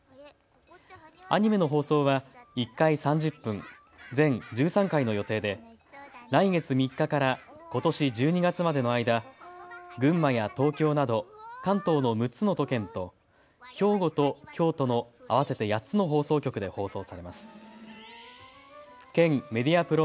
アニメの放送は１回３０分・全１３回の予定で来月３日からことし１２月までの間、群馬や東京など関東の６つの都県と兵庫と京都の合わせて８つの放送局で放送されます。